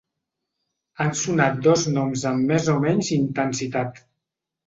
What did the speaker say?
Han sonat dos noms amb més o menys intensitat.